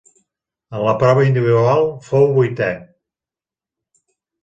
En la prova individual fou vuitè.